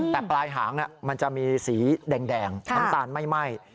แต่ปลายหางมันจะมีสีแดงน้ำตาลไม่ไหม้